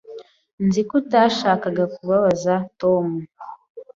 Nzi ko utashakaga kubabaza Tom.